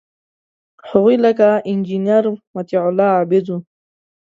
هغوی لکه انجینیر مطیع الله عابد وو.